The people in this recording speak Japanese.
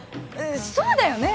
そうだよね